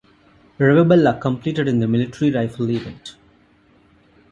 Rivabella competed in the military rifle event.